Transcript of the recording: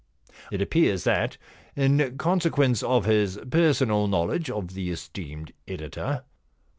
It appears that, in consequence of his personal knowledge of the esteemed editor.